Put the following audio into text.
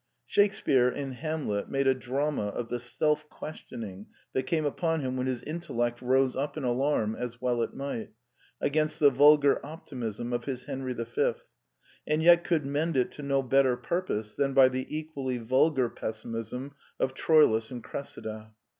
Shakespear, In Hamlet, made a drama of the self questioning that came upon him when his intellect rose up in alarm, as well it might, against the vulgar optimism of his Henry V, and yet could mend it to no better purpose than by the equally vulgar pessimism of Troilus and Cressida.